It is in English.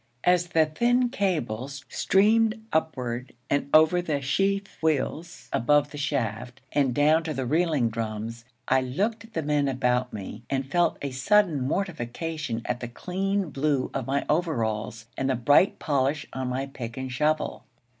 As the thin cables streamed upward and over the sheave wheels above the shaft and down to the reeling drums, I looked at the men about me and felt a sudden mortification at the clean blue of my overalls, and the bright polish on my pick and shovel.